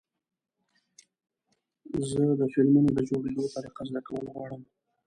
زه د فلمونو د جوړېدو طریقه زده کول غواړم.